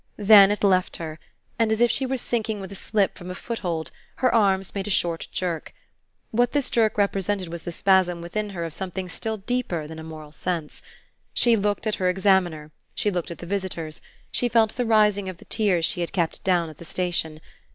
Then it left her, and, as if she were sinking with a slip from a foothold, her arms made a short jerk. What this jerk represented was the spasm within her of something still deeper than a moral sense. She looked at her examiner; she looked at the visitors; she felt the rising of the tears she had kept down at the station.